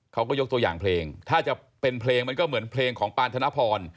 เขาก็ยกตัวอย่างเพลงถ้าจะเป็นเพลงมันก็เหมือนเพลงของปานธนพร